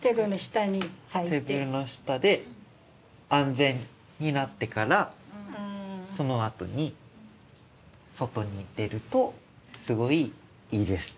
テーブルの下で安全になってからそのあとに外に出るとすごいいいです。